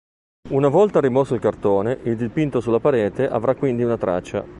Una volta rimosso il cartone, il dipinto sulla parete avrà quindi una traccia.